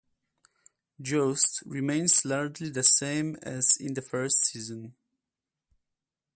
Joust remains largely the same as in the first season.